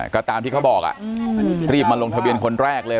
ก็ตามที่เขาบอกรีบมาลงทะเบียนคนแรกเลย